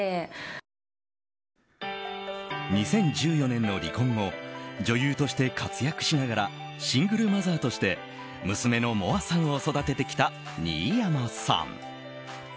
２０１４年の離婚後女優として活躍しながらシングルマザーとして娘のもあさんを育ててきた新山さん。